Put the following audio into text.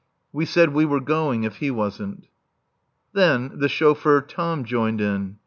We said we were going if he wasn't. Then the chauffeur Tom joined in.